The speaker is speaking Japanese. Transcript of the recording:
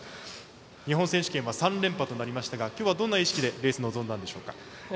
日本選手権は３連覇となりましたが今日はどんな意識でレースに臨んだんでしょうか。